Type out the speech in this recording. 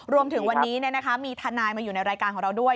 รวมถึงวันนี้มีทนายมาอยู่ในรายการของเราด้วย